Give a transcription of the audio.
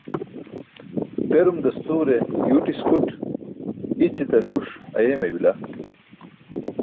Terum dastuure yuwṭis kʰuṭ, i̇ćiṭar żuṣ ayeemay bila.